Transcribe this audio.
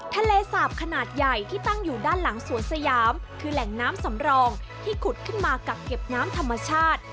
ทะเลสาบขนาดใหญ่ที่ตั้งอยู่ด้านหลังสวนสยามคือแหล่งน้ำสำรองที่ขุดขึ้นมากักเก็บน้ำธรรมชาติ